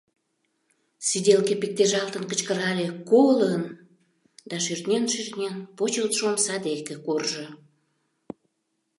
Сиделке пиктежалтын кычкырале: «Колын!» — да, шӱртнен-шӱртнен, почылтшо омса деке куржо.